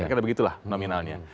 karena begitu lah nominalnya